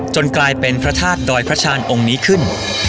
กลายเป็นพระธาตุดอยพระชาญองค์นี้ขึ้น